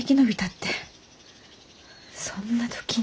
そんな時に。